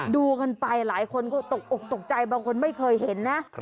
ดูกันไปหลายคนก็ตกอกตกใจบางคนไม่เคยเห็นนะ